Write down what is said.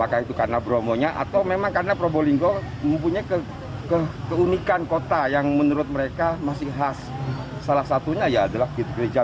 hai pada masa mendatang dunia pariwsana menangani co gears medan there's a gem so